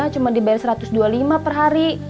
cuma dibayar satu ratus dua puluh lima per hari